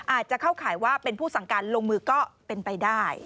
อาจจะเข้าข่ายว่าเป็นผู้สั่งการลงมือก็เป็นไปได้